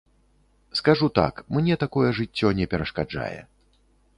Скажу так, мне такое жыццё не перашкаджае.